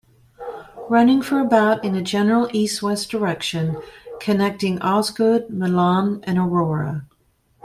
Running for about in a general east-west direction, connecting Osgood, Milan, and Aurora.